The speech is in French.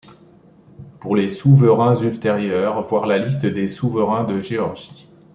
Pour les souverains ultérieurs, voir la Liste des souverains de Géorgie.